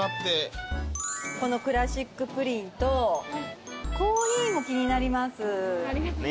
このクラシックプリンとコーヒーも気になります。